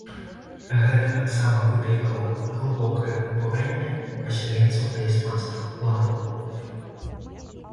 Гэта таксама выклікала глыбокае абурэнне пасяленцаў да іспанскіх уладаў.